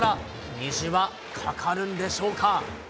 虹はかかるんでしょうか。